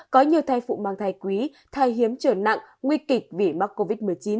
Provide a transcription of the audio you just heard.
có nhiều thai phụ mang thai quý thai hiếm trở nặng nguy kịch vì mắc covid một mươi chín